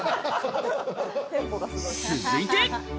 続いて。